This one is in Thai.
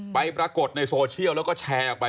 ปรากฏในโซเชียลแล้วก็แชร์ออกไป